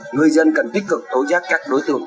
người dân cần tích cực tố giác các đối tượng